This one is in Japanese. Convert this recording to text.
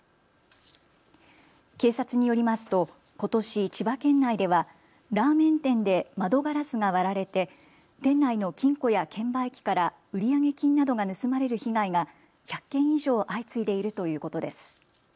警察によりますとことし千葉県内ではラーメン店で窓ガラスが割られて店内の金庫や券売機から売上金などが盗まれる被害が１００件以上、相次いでいるということです。